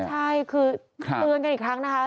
ใช่คือเตือนกันอีกครั้งนะคะ